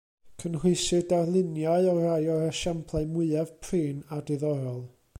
Cynhwysir darluniau o rai o'r esiamplau mwyaf prin a diddorol.